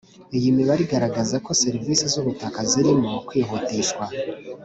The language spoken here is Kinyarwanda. Iyi mibare iragaragaza ko serivisi z ubutaka zirimo kwihutishwa